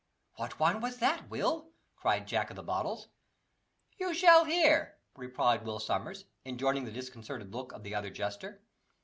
"What wine was that, Will?" cried Jack of the Bottles. "You shall hear," replied Will Sommers, enjoying the disconcerted look of the other jester.